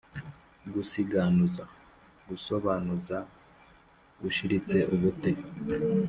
gusiganuza: gusobanuza ushiritse ubute.